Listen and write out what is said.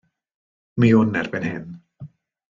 Mi wn erbyn hyn.